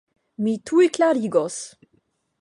Mi tuj klarigos.